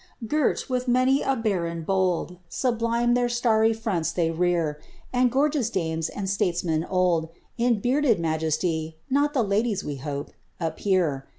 SLIZABBTH. 167 Gilt with mwaj a baron bold, Sablime their starry fronts they rear; And gorgeous dames, and statesmen old In bearded majesty [not the ladies, we hope] appear.